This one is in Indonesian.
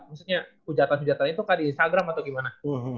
maksudnya pujatan pujatan itu kak di instagram atau gimana